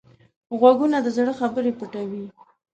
غوږونه د زړه خبرې پټوي